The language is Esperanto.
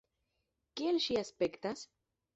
Kiel ŝi aspektas?